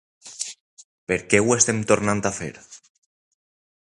Per què ho estem tornant a fer?